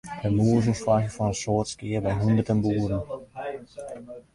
De mûzen soargje foar in soad skea by hûnderten boeren.